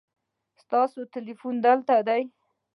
ستاسو تلیفون دلته دی